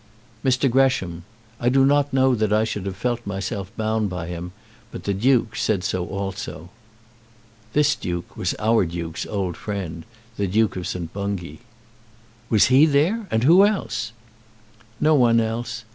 "Mr. Gresham. I do not know that I should have felt myself bound by him, but the Duke said so also." This duke was our duke's old friend, the Duke of St. Bungay. "Was he there? And who else?" "No one else.